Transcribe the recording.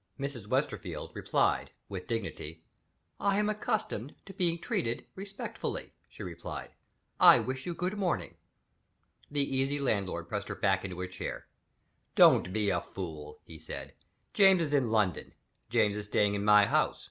Mrs. Westerfield replied with dignity. "I am accustomed to be treated respectfully," she replied. "I wish you good morning." The easy landlord pressed her back into her chair. "Don't be a fool," he said; "James is in London James is staying in my house.